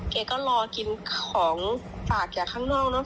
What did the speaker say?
เขาก็รอกินของฝากอย่างข้างนอก